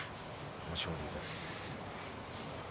豊昇龍です。